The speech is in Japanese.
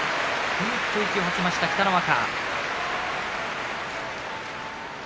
ふうっと息を吐きました、北の若。